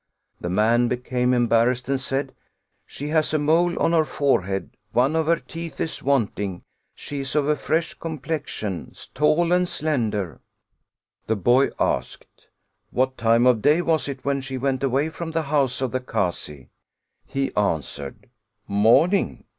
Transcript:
The man became embarrassed and said :" She has a mole on her forehead, 194 The Lady and the Kasi one of her teeth is wanting, she is of a fresh complexion, tall and slender." The boy asked: "What time of day was it when she went away from the house of the Kazi?" He answered: '* Morning."